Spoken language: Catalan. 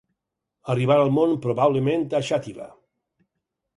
Arribar al món, probablement a Xàtiva.